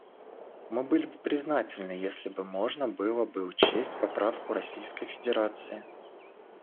Мы были бы признательны, если бы можно было бы учесть поправку Российской Федерации.